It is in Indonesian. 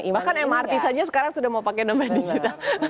bahkan mrt saja sekarang sudah mau pakai domen digital